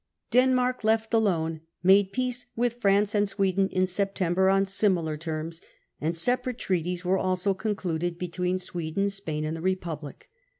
Denmark, left alone, made pe^ce with France and Sweden in September on similar terms, and separate treaties were also concluded between Sweden, Spain, and the Republic.